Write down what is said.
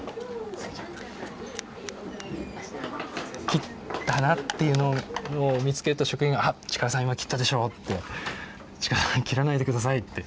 切ったなっていうのを見つけると職員が「あ！力さん今切ったでしょ」って「力さん切らないで下さい」って。